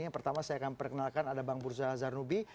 yang pertama saya akan perkenalkan ada bang burza zarnubi